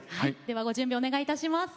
ではご準備お願いいたします。